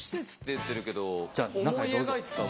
じゃあ中へどうぞ。